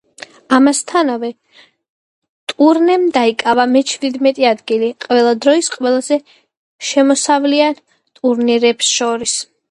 ამასთანავე, ტურნემ დაიკავა მეჩვიდმეტე ადგილი ყველა დროის ყველაზე შემოსავლიან ტურნეებს შორის.